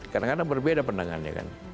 kadang kadang berbeda pandangannya kan